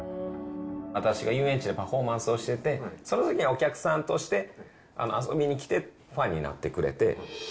私が遊園地でパフォーマンスをしてて、そのときはお客さんとして、遊びに来てファンになってくれて。